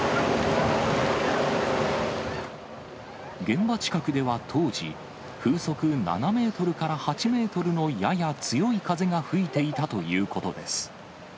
現場近くでは当時、風速７メートルから８メートルのやや強い風が吹いていたということです。